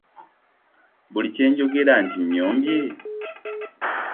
Buli kye njogera nti nnyombye!